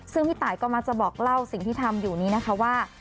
ซึ่งพี่ตายก็มักจะบอกเล่าสิ่งที่ทำอยู่นี้นะคะว่า